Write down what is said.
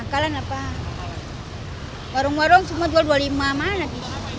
nggak ada semua kosong